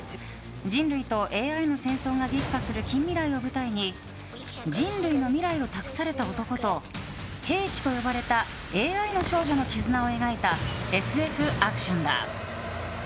人間とＡＩの戦争が激化する近未来を舞台に人類の未来を託された男と兵器と呼ばれたＡＩの少女の絆を描いたＳＦアクションだ。